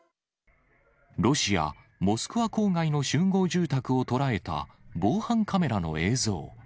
ロシア・モスクワ郊外の集合住宅を捉えた防犯カメラの映像。